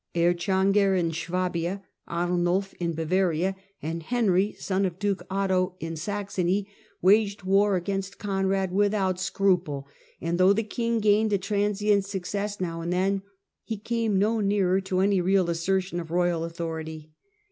Erchanger in Suabia, Arnulf in Bavaria, and Henry, son of Duke Otho, in Saxony, waged war against Conrad without scruple, and though the king gained a transient success now and then he came no nearer to any real assertion of royal authority.